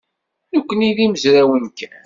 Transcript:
Nekkni d imezrawen kan.